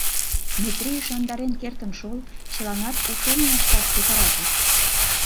Метри ӱшандарен кертын шол, чыланат ушемым ышташ кутыратыс.